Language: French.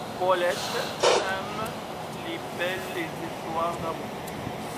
Paulette aime les belles histoires d'amour.